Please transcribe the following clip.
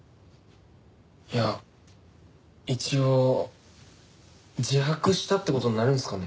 いや一応自白したって事になるんすかね？